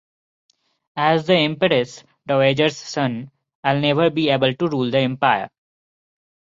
As the empress dowager's son, I'll never be able to rule the empire.